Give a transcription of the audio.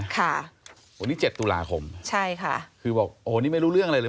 วันนี้๗ตุลาคมคือบอกโอ้โฮนี่ไม่รู้เรื่องอะไรเลย